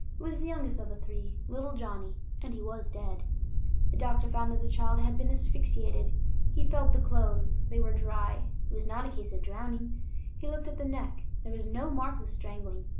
It was the youngest of the three, little Johnnie, and he was dead. The doctor found that the child had been asphyxiated. He felt the clothes; they were dry; it was not a case of drowning. He looked at the neck; there was no mark of strangling.